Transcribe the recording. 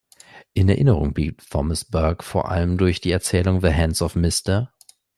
In Erinnerung blieb Thomas Burke vor allem durch die Erzählung "The Hands of Mr.